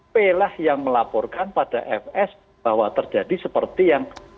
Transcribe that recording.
p lah yang melaporkan pada f s bahwa terjadi seperti yang kita diskusikan tadi